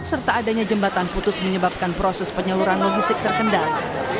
serta adanya jembatan putus menyebabkan proses penyaluran logistik terkendali